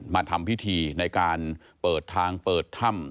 มาทำพิธีในการเปิดทางเปิดถ้ำ